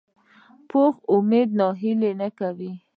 پوخ امید ناهیلي نه کوي